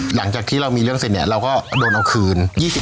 หลังจากที่เรามีเรื่องเสร็จเนี่ยเราก็โดนเอาคืน